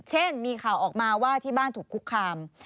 เช่นมีข่าวออกมาว่าที่บ้านถูกคุกคาม